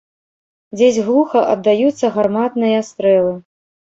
Дзесь глуха аддаюцца гарматныя стрэлы.